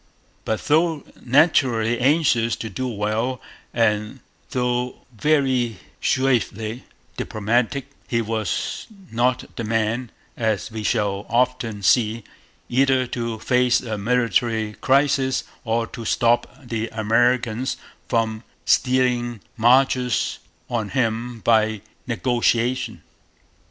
But, though naturally anxious to do well, and though very suavely diplomatic, he was not the man, as we shall often see, either to face a military crisis or to stop the Americans from stealing marches on him by negotiation.